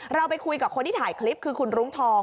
เราไปคุยกับคนที่ถ่ายคลิปคือคุณรุ้งทอง